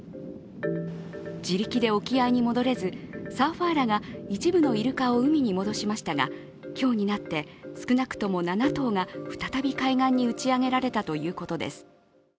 自力で沖合に戻れずサーファーらが一部のイルカを海に戻しましたが、今日になって少なくとも７頭が再び、海岸に打ち上げられたということです。